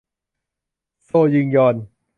โชซึงยอน